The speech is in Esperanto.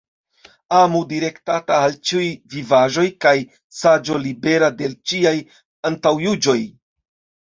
Amo direktata al ĉiuj vivaĵoj kaj saĝo libera de ĉiaj antaŭjuĝoj.